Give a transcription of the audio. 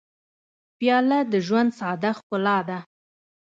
پیاله د ژوند ساده ښکلا ده.